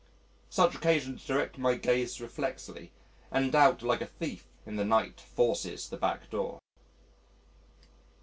Such occasions direct my gaze reflexly, and doubt like a thief in the night forces the back door!